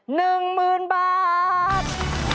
๑หมื่นบาท